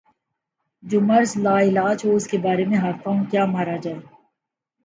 جو مرض لا علاج ہو اس کے بارے میں ہاتھ پاؤں کیا مارا جائے۔